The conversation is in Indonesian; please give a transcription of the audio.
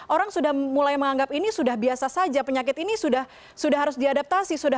orang sudah mulai menganggap ini sudah biasa saja penyakit ini sudah harus diadaptasi